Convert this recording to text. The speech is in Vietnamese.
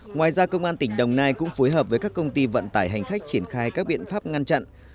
ngoài ra công an tỉnh đồng nai cũng phối hợp với các công ty vận tải hành khách triển khai các biện pháp ngăn chặn